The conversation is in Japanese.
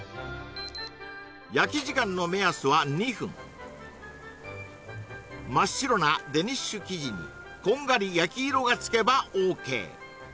焼き時間の目安は２分真っ白なデニッシュ生地にこんがり焼き色がつけばＯＫ